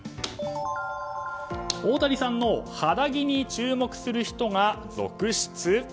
大谷さんの肌着に注目する人が続出？